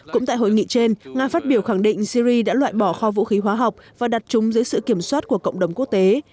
cũng tại hội nghị trên nga phát biểu khẳng định syri đã loại bỏ kho vũ khí hóa học và đặt chúng dưới sự kiểm soát của cộng đồng quốc tế